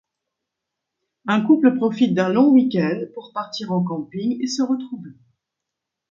Un couple profite d'un long week-end pour partir en camping et se retrouver.